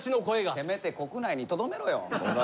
せめて国内にとどめろよ。